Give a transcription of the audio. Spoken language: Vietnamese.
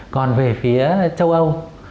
còn về phía châu âu